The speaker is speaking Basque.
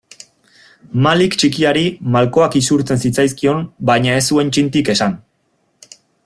Malik txikiari malkoak isurtzen zitzaizkion baina ez zuen txintik esan.